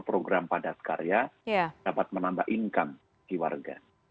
program padat karya dapat menambah income bagi warga